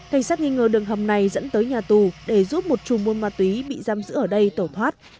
thành sát nghi ngờ đường hầm này dẫn tới nhà tù để giúp một trùm môn ma túy bị giam giữ ở đây tổ thoát